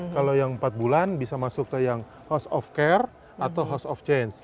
kalau yang empat bulan bisa masuk ke yang house of care atau house of change